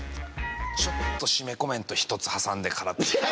ちょっと締めコメント１つ挟んでからっていう。